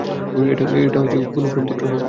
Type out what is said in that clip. এটা কোনো প্রেমপত্র নয়।